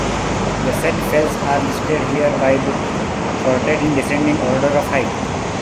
The said fells are listed here by book, sorted in descending order of height.